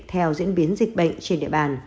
theo diễn biến dịch bệnh trên địa bàn